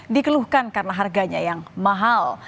dikeluhkan karena harganya yang mahal